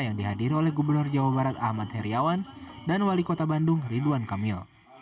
yang dihadiri oleh gubernur jawa barat ahmad heriawan dan wali kota bandung ridwan kamil